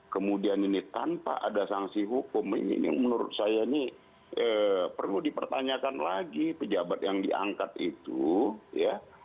kemudian ini tanpa ada sanksi hukum ini menurut saya ini perlu dipertanyakan lagi pejabat yang diangkat itu ya